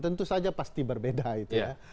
tentu saja pasti berbeda itu ya